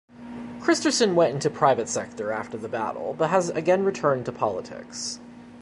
Kristersson went into private sector after the battle but has again returned to politics.